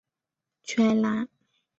屈埃拉。